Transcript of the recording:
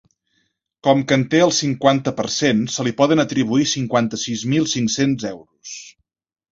Com que en té el cinquanta per cent, se li poden atribuir cinquanta-sis mil cinc-cents euros.